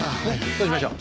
そうしましょう。